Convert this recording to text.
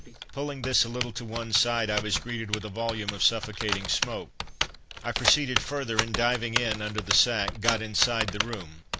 Pulling this a little to one side I was greeted with a volume of suffocating smoke. I proceeded further, and diving in under the sack, got inside the room.